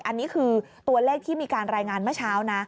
อันนี้คือตัวเลขที่มีการรายงานเมื่อเช้านะ